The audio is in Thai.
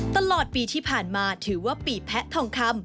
ตลอดปีที่ผ่านมาถือว่าปีแพะทองคำ